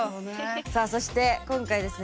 さあそして今回ですね